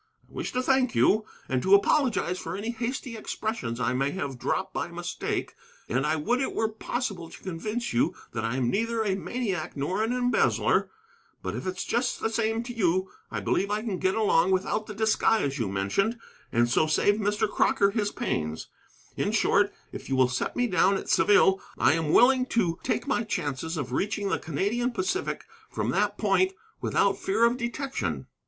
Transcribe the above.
I wish to thank you, and to apologize for any hasty expressions I may have dropped by mistake, and I would it were possible to convince you that I am neither a maniac nor an embezzler. But, if it's just the same to you, I believe I can get along without the disguise you mentioned, and so save Mr. Crocker his pains. In short, if you will set me down at Saville, I am willing to take my chances of reaching the Canadian Pacific from that point without fear of detection."